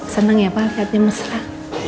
seneng ya pak liatnya mesra